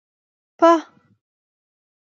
په